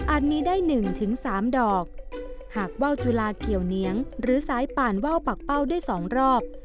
มีได้๑๓ดอกหากว่าวจุลาเกี่ยวเนียงหรือสายป่านว่าวปากเป้าได้๒รอบ